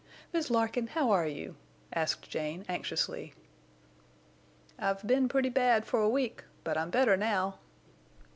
"Mrs. Larkin, how are you?" asked Jane, anxiously. "I've been pretty bad for a week, but I'm better now."